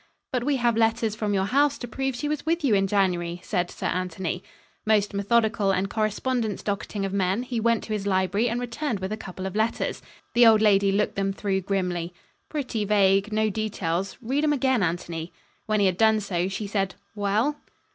"But we have letters from your house to prove she was with you in January," said Sir Anthony. Most methodical and correspondence docketing of men, he went to his library and returned with a couple of letters. The old lady looked them through grimly. "Pretty vague. No details. Read 'em again, Anthony." When he had done so, she said: "Well?"